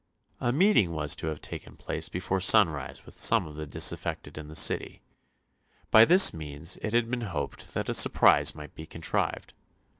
A meeting was to have taken place before sunrise with some of the disaffected in the City. By this means it had been hoped that a surprise might be contrived.